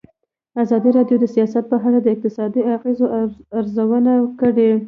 ازادي راډیو د سیاست په اړه د اقتصادي اغېزو ارزونه کړې.